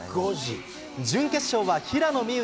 準決勝は平野美宇